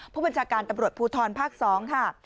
ผู้บัญชาการตำรวจภูทรภาค๒ค่ะ